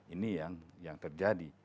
ini yang terjadi